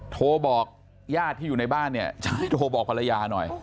โทรบอกญาติที่อยู่ในบ้านโทรบอกภรรยาหน่อย